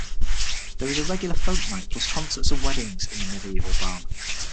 There is a regular folk night plus concerts and weddings in the medieval barn.